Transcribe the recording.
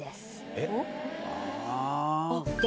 えっ？